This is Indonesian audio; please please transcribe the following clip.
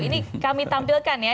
ini kami tampilkan ya